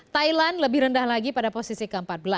thailand lebih rendah lagi pada posisi ke empat belas